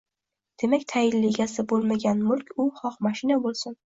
Demak, tayinli egasi bo‘lmagan mulk – u xoh mashina bo‘lsin